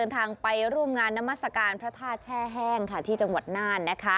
ทางไปร่วมงานนามัศกาลพระธาตุแช่แห้งที่จังหวัดน่าน